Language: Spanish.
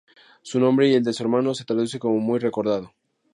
Su nombre y el de su hermano se traduce como "Muy recordado".